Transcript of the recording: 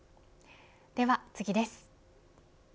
では次です。